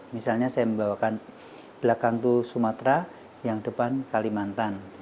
misalnya saya membawakan belakang itu sumatera yang depan kalimantan